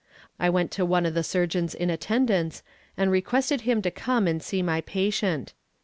I went to one of the surgeons in attendance, and requested him to come and see my patient.